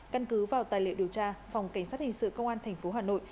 căn cứ vào tài liệu điều tra phòng cảnh sát hình sự công an tp hà nội